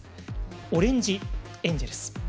オレンジ・エンジェルス。